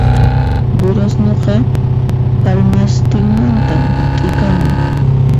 Durasnuqa k'allmastinmantan t'ikamun